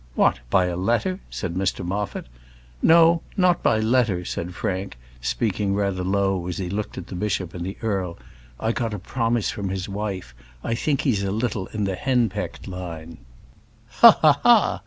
"What! by a letter?" said Mr Moffat. "No, not by letter," said Frank, speaking rather low as he looked at the bishop and the earl; "I got a promise from his wife: I think he's a little in the henpecked line." "Ha ha ha!"